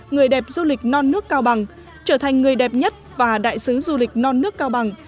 người đẹp du lịch non nước cao bằng trở thành người đẹp nhất và đại sứ du lịch non nước cao bằng